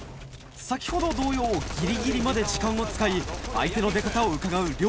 先ほど同様ぎりぎりまで時間を使い相手の出方をうかがう